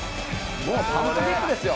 もうパントキックですよ。